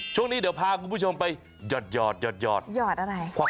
ช่วงนี้เดี๋ยวพาคุณผู้ชมไปหยอดหยอดอะไร